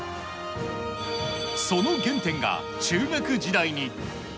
その原点が中学時代に。